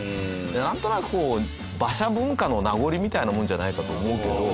なんとなくこう馬車文化の名残みたいなもんじゃないかと思うけど。